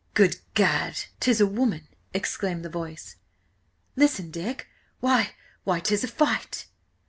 "Good Gad! 'tis a woman!" exclaimed the voice. "Listen, Dick!–why–why–'tis a fight!"